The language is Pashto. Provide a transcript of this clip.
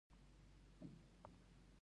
د محکمې فساد باور له منځه وړي.